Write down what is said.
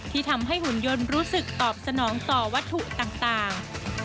ที่ทำให้หุ่นยนต์รู้สึกตอบสนองต่อวัตถุต่าง